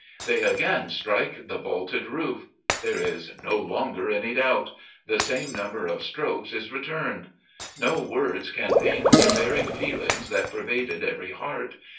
They again strike the vaulted roof. There is no longer any doubt. The same number of strokes is returned. No words can paint the varied feelings that pervaded every heart.